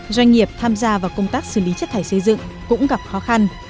doanh nghiệp tham gia vào công tác xử lý chất thải xây dựng cũng gặp khó khăn